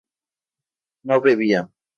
no bebía